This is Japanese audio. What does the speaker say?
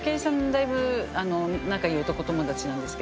だいぶ仲いい男友達なんですけど。